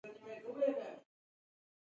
په دې بودجه مو شل میلیونه عایدات درلودل.